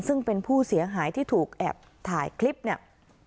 ซึ่งเป็นผู้เสียหายที่ถูกแอบถ่ายคลิปเนี่ย